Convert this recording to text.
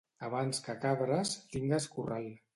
Abans que cabres, tingues corral.